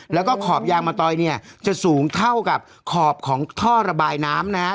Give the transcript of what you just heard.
แล้วก็ขอบยางมะตอยเนี่ยจะสูงเท่ากับขอบของท่อระบายน้ำนะครับ